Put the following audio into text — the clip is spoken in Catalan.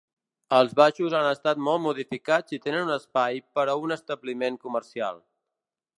Els baixos han estat molt modificats i tenen un espai per a un establiment comercial.